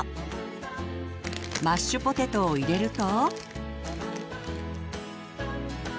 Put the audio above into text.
マッシュポテトを入れると。